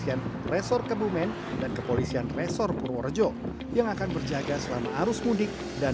ada beberapa spot yang bisa ditemui